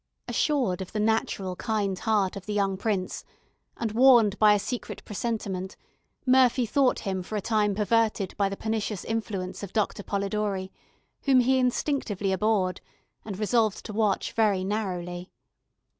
Assured of the natural kind heart of the young prince, and warned by a secret presentiment, Murphy thought him for a time perverted by the pernicious influence of Doctor Polidori, whom he instinctively abhorred, and resolved to watch very narrowly.